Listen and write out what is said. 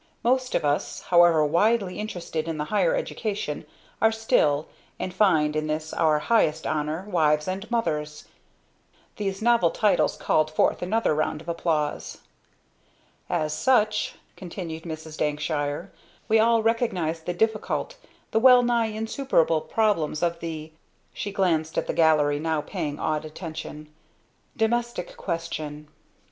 "Most of us, however widely interested in the higher education, are still and find in this our highest honor wives and mothers." These novel titles called forth another round of applause. "As such," continued Mrs. Dankshire, "we all recognize the difficult the well nigh insuperable problems of the" she glanced at the gallery now paying awed attention "domestic question."